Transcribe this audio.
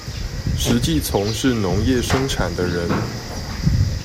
實際從事農業生產的人